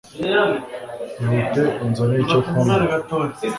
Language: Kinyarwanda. Ihute unzanire icyo kunywa.